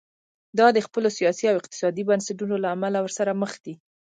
دا د خپلو سیاسي او اقتصادي بنسټونو له امله ورسره مخ دي.